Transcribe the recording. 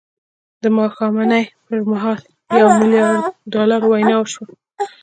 د ماښامنۍ پر مهال د یوه میلیارد ډالرو وینا وشوه